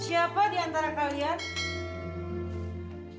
siapa di antara kalian